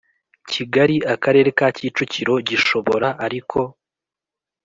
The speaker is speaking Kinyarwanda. Kigali Akarere ka Kicukiro gishobora ariko